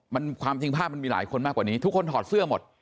มันความจริงภาพมันมีหลายคนมากกว่านี้ทุกคนถอดเสื้อหมด